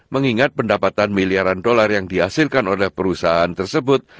mengingat pendapatan miliaran dolar yang dihasilkan oleh perusahaan tersebut